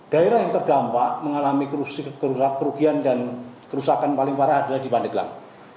daerah yang terdampak mengalami kerugian dan kerusakan paling parah adalah di pandeglang